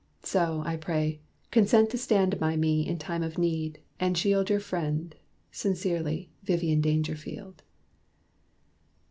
So, I pray, consent To stand by me in time of need, and shield Your friend sincerely, Vivian Dangerfield."